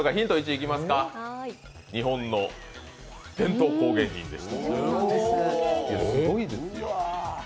日本の伝統工芸品です。